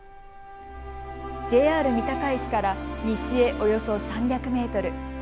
三鷹駅から西へおよそ３００メートル。